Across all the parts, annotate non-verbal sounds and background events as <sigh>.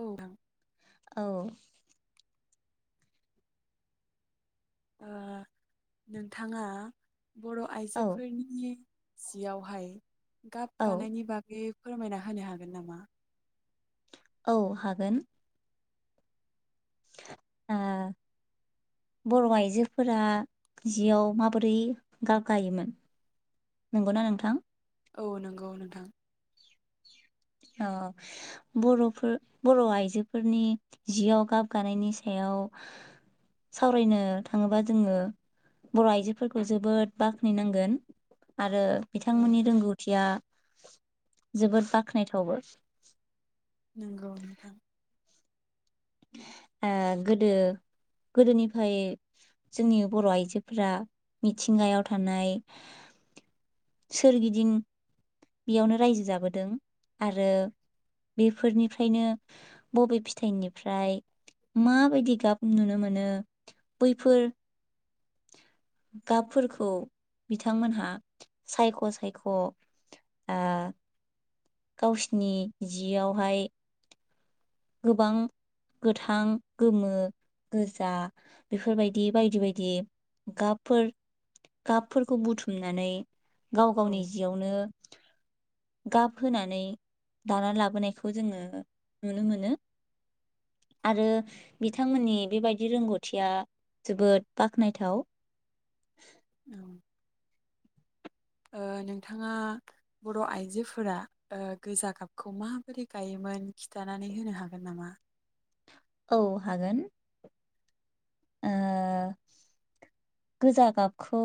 औ <unintelligible> औ। ओ नोंथाङा बर' औ आइजोफोरनि सिआवहाय गाब औ गानायनि बागै फोरमायना होनो हागोन नामा? औ हागोन। ओ बर' आइजोफोरा जिआव माबोरै गाब गायोमोन नंगौना नोंथां? औ नंगौ नोंथां। ओ बर'फोर बर आइजोफोरनि जिआव गाब गानायनि सायाव सावरायनो थाङोबा जोङो बर' आइजोफोरखौ जोबोद बाख्नायनांगोन। आरो औ बिथांमोननि रोंगौथिया <unintelligible> जोबोद बाख्नायथावबो नंगौ नोंथां ओ गोदो गोदोनिफाय जोंनि बर आइजोफ्रा मिथिंगायाव थानाय सोरगिदिं बेयावनो रायजो जाबोदों आरो बेफोरनिफ्रायनो बबे फिथाइनि ओमफ्राय माबायदि गाब नुनो मोनो बैफोर गाबफोरखौ बिथांमोनहा सायख सायख ओ गावसिनि जिआवहाय गोबां गोथां गोमो गोजा बेफोरबायदि बायदि बायदि गाबफोर गाबफोरखौ बुथुमनानै गाव औ गावनि जिआवनो गाब होनानै दाना लाबोनायखौ जोङो नुनो मोनो आरो बिथांमोननि बेबायदि रोंगौथिया जोबोद बाख्नायथाव औ ओ नोंथाङा बर आइजोफोरा ओ गोजा गाबखौ माबोरै गायोमोन खिथानानै होनो हागोन नामा? औ हागोन ओ गोजा गाबखौ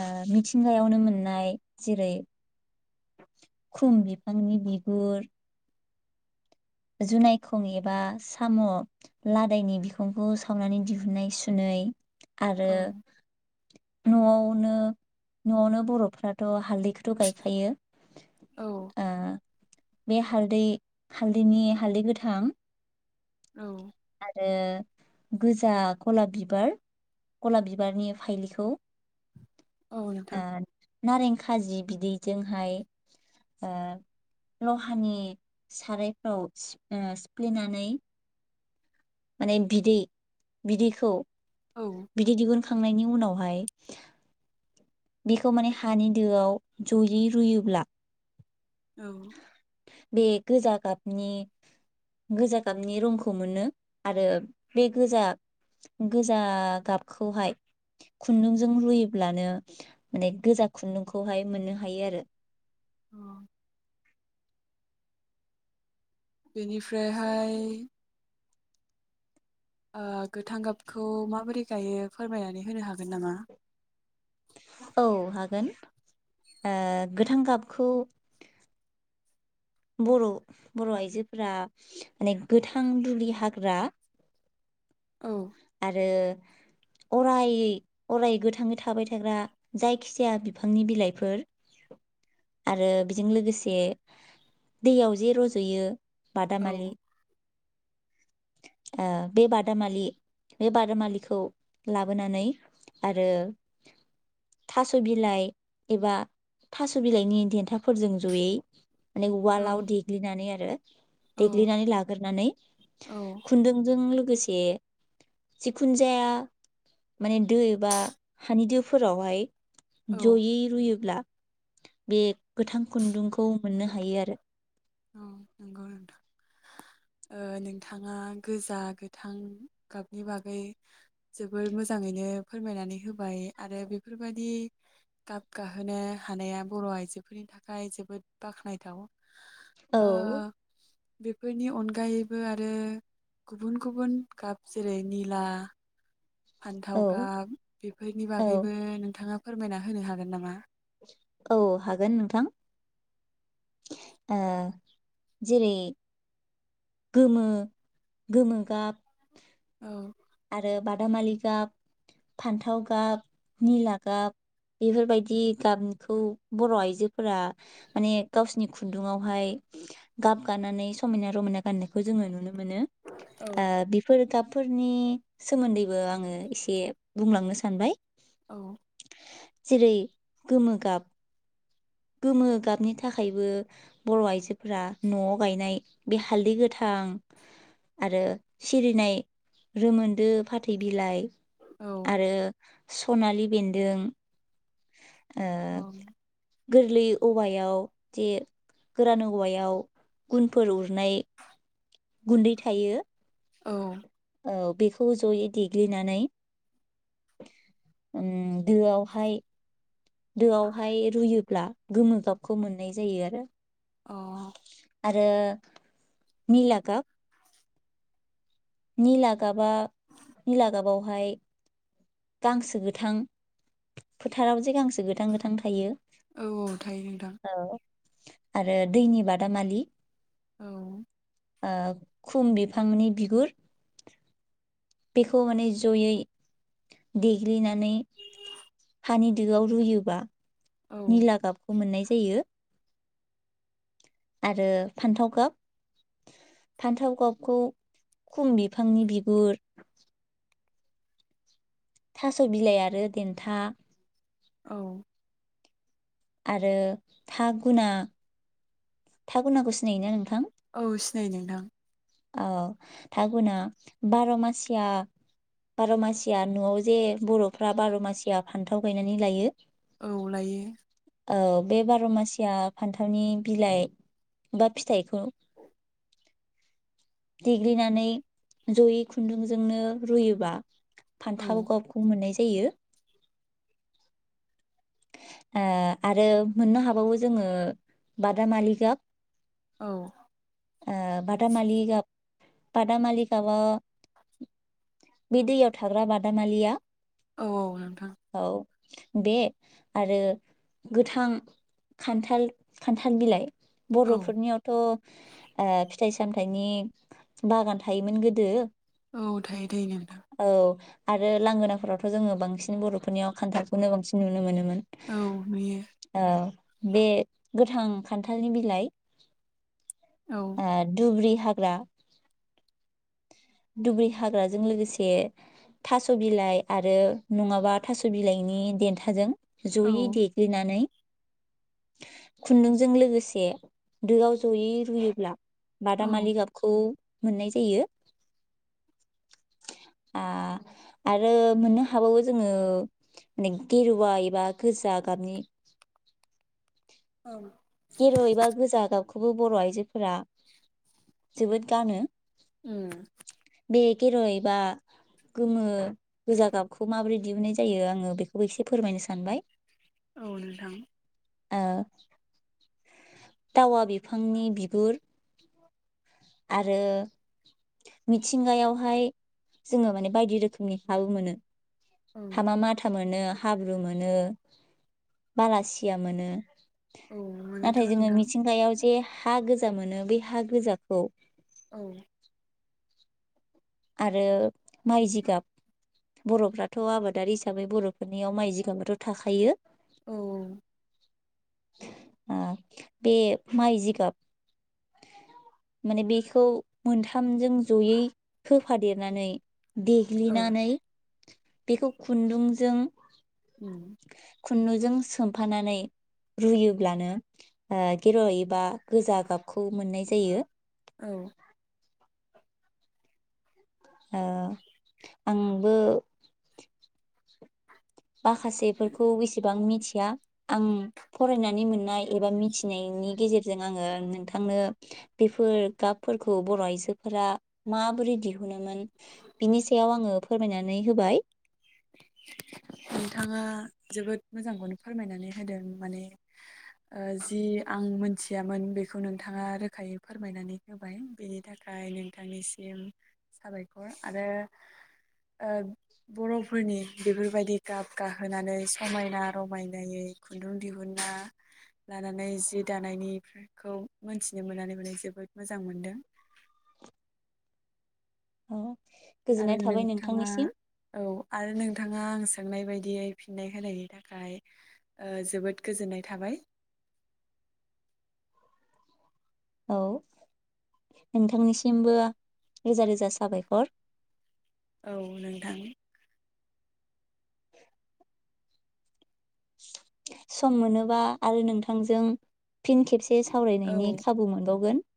ओ मिथिंगायावनो मोननाय जेरै खुम बिफांनि बिगुर जुनायखं एबा साम लादायनि बिखंखौ सावनानै दिहुनन्नाय सुनै आरो औ नआवनो नआवनो बर फ्राथ हालदैखौथ गायखायो औ ओ बे हालदै हाल बिनि हालदै गोथां औ आरो गोजा गलाब बिबार गलाब बिबारनि फाइलिखौ औ ओ नोंथां नारें खाजि बिदैजोंहाय ओ लहानि सारायफ्राव सि ओ सिफ्लेनानै माने बिदै बिदैखौ औ बिदि दिहुनखांनायनि उनाव हाय बेखौ माने हानि दोआव जयै रुयोब्ला औ बे गोजा गाबनि गोजा गाबनि रंखौ मोनो आरो बे गोजा गोजा गाबखौहाय खुन्दुंजों रुयोब्लानो माने गोजा खुन्दुंखौहाय मोननो हायो आरो अ। बेनिफ्रायहाय ओ गोथां गाबखौ माबोरै गायो फोरमायनानै होनो हागोन नामा? औ हागोन। आ गोथां गाबखौ बर बर आइजोफोरा माने गोथां दुलि हाग्रा औ आरो अरायै अराय गोथाङै थाबाय थाग्रा जायखिजाया बिफांनि बिलाइफोर आरो बेजों लोगोसे दैयाव जे रजयो औ बादामालि ओ बे बादामालि बे बादामालिखौ लाबोनानै आरो थास बिलाइ एबा थास बिलाइनि देथाफोरजों जयै माने औ उवालाव देग्लिनानै आरो औ देग्लिनानै लाग्रोनानै औ खुन्दुंजों लो गोसे जिखुनजाया माने दै बा हानि दोफोरावहाय औ जयै रुयोब्ला बे गोथां खुन्दुंखौ मोननो हायो आरो। औ नंगौ नोंथां ओ नोंथाङा गोजा गोथां गाबनि बागै जोबोर मोजाङैनो फोरमायनानै होबाय। आरो बेफोर बादि गाब गाहोनो हानाया बर' आइजोफोरनि थाखाय जोबोद बाखनायथाव। औ बेफोरनि अनगायैबो आरो गुबुन गुबुन गाब जेरै निला औ फान्थाव गाब बेफोरनि औ बागैबो नोंथाङा फोरमायना होनो हागोन नामा? औ हागोन नोंथां। ओ जेरै गोमो गोमो गाब औ आरो बादामालि गाब, फान्थाव गाब, निला गाब बेफोरबायदि गाबखौ बर' आइजोफोरा माने गावसिनि खुन्दुावहाय गाब गानानै समायना रमायना गाननायखौ जोङो नुनो मोनो औ आ बेफोर गाब फोरनि सोमोन्दैबो आङो एसे बुंलांनो सानबाय। औ जेरै गोमो गाब गोमो गाबनि थाखायबो बर' आइजोफोरा न'आव गायनाय बे हालदै गोथां आरो सिरिनाय रोमोन्दो फाथै बिलाइ औ आरो सनालि बेन्दों। ओ औ गोरलै औवायाव जे गोरान औवायाव गुनफोर अर नाय गुन्दै थायो। औ औ बेखौ जयै देग्लिनानै उम दोआव हाय दोआव हाय रुयो। होब्ला गोमो गाबखौ मोननाय जायो आरो। अ आरो निला गाब। निला गाबा निला गाबावहाय गांसो गोथां फोथाराव जे गांसो गोथां गोथां थायो। औ थायो नोंथां। औ आरो दैनि बादामालि। औ ओ खुम बिफांनि बिगुर। बेखौ माने जयै देग्लिनानै हानि दोआव रुयोबा औ निला गाबखौ मोननाय जायो। जायो। आरो फान्थाव गाब फान्थाव गाबखौ खुन बिफांनि बिगुर थास बिलाइ आरो देन्था। औ। आरो था गुना थागुनाखौ सिनायोना नोंथां? औ सिनाय नोंथां। औ थागुना बारावमासिया बारावमासिया न'आव जे बर'फ्रा बारावमासिया फान्थाव गायनानै लायो। औ लायो। ओ बे बारावमासिया फान्थावनि बिलाइ बा फिथाइखौ देग्लिनानै जयै खुन्दुंजोंनो रुयोबा औ फान्थाव गाबखौ मोननाय जायो। जायो। ओ आरो मोननो हाबावो जोङो बादामालि गाब। औ ओ बादामालि गाब। बादामालि गाबा बे दैयाव थाग्रा बादामालिया औ नोंथां औ। बे आरो गोथां खान्थाल खान्थाल बिलाइ। औ बर' फोरनियावथ आ। फिथाइ सामथायाइनि बागान थायोमोन गोदो। औ थायो थायो नोंथां औ आरो लांगोनाफोरावथ जोङो बांसिन बर'फोरनि याव खान्थालखौनो बांसिन नुनो नुनो मोनोमोन औ नुयो औ। बे गोथां खान्थालनि बिलाइ औ आ दुब्रि हाग्रा दुब्रि हाग्राजों लोगोसे थास बिलाइ आरो नङाबा थास बिलाइनि देन थाजों औ जयै देग्लिनानै खुन्दुंजों लोगोसे दोआव जयै रुयोब्ला औ बादामालि गाबखौ मोननाय जायो आ आरो मोननो हाबावो जोङो में गेरुवा एबा गोजा गाबनि औ गेरुवा एबा गोजा गाबखौबो बर' आइजोफोरा जोबोद गानो उम। बे गेरुवा एबा गोमो गोजा गाबखौ माबोरै दिहुननाय जायो आङो बेखौबो एसे फोरमायनो सानबाय औ नोंथां औ टावा बिफांनि बिगुर आरो मिथिंगायावहाय जोङो माने बायदि रोखोमनि हाबो मोनो। औ हामा माथा मोनो हाब्रु मोनो बालासिया मोनो। औ मोनोथ' नाथाय जोङो नोंथां मिथिंगायाव जे हा गोजा मोनो बे हा गोजाखौ औ। आरो माइ जिगाब बरफ्राथ' आबादारि हिसाबै बर'फोरनियाव माइ जिगाबाथ थाखायो औ। ओ बे माइ जिगाब माने बेखौ मोनथामजों जयै होफादेरनानै औ देग्लिनानै बेखौ खुन्दुंजों उम। खुन्दुजों सोमफानानै रुयोब्लानो ओ गेरुवा एबा गोजा गाबखौ मोननाय जायो। औ। आ आंबो माखासेफोरखौ एसेबां मिथिया आं फरायनानै मोननाय एबा मिथिनायनि गेजेरजों आङो नोंथांनो बेफोर गाबफोरखौ बर' आइजोफोरा माबोरै दिहुनोमोन बिनि सायाव आङो फोरमायनानै होबाय। <inaudible> नोंथाङा जोबोद मोजांखौनो फोरमायनानै होदों माने ओ जि आं मोनथियामोन बेखौ नोंथाङा रोखायै फोरमायनानै होबाय बेनि थाखाय नोंथांनिसिम साबायखर। आरो ओ बर' फोरनि बेफोरबायदि गाब गाहोनानै समायना रमायनायै खुन्दुं दिहुनना लानानै जि दानायनिखौ मोनथिनो मोननानै माने जोबोद मोजां मोनदों। औ आरो गोजोननाय थाबाय नोंथाङा नोंथांनिसिम औ आरो नों नोंथाङा आं सोंनाय बायदियै फिननाय होनायनि थाखाय ओ जोबोद गोजोननाय थाबाय। औ नोंथांनिसिमबो रोजा रोजा साबायखर औ नोंथां। सम मोनोबा आरो नोंथांजों फिन खेबसे सावरायनायनि औ खाबु मोनबावगोन